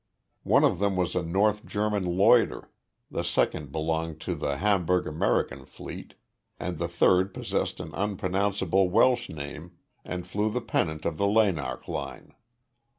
One of them was a North German Lloyder, the second belonged to the Hamburg American fleet, and the third possessed an unpronounceable Welsh name and flew the pennant of the Llanarch line.